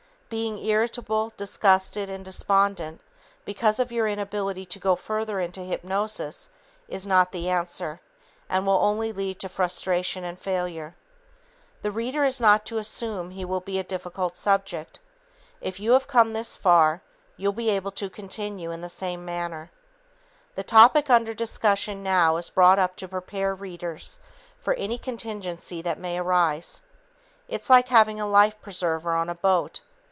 Being irritable, disgusted and despondent because of your inability to go further into hypnosis is not the answer and will only lead to frustration and failure. The reader is not to assume he will be a difficult subject. If you have come this far, you'll be able to continue in the same manner. The topic under discussion now is brought up to prepare readers for any contingency that may arise. It's like having a life preserver on a boat.